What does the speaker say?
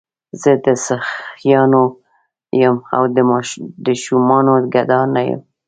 زه د سخیانو یم او د شومانو ګدا نه یمه.